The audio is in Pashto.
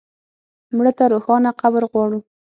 مړه ته روښانه قبر غواړو